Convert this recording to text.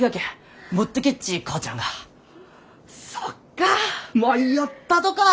そっか舞やったとか。